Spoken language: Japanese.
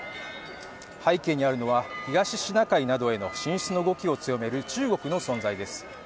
背景にあるのは東シナ海などへの進出の動きを強める中国の存在です。